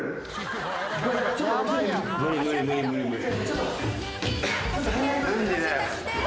無理無理無理無理無理。